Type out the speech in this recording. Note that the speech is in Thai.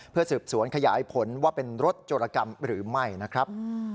เพื่อสืบสวนขยายผลว่าเป็นรถโจรกรรมหรือไม่นะครับ